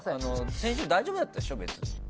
先週、大丈夫だったでしょ別に。